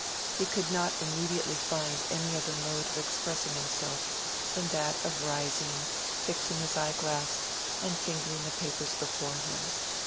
He could not immediately find any other mode of expressing himself than that of rising, fixing his eye glass, and fingering the papers before him.